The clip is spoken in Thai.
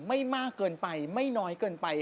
ไม่มากเกินไปไม่น้อยเกินไป